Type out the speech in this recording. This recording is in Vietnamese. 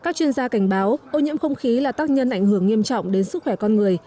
các chuyên gia cảnh báo ô nhiễm không khí là tác nhân ảnh hưởng nghiêm trọng đến sức khỏe con người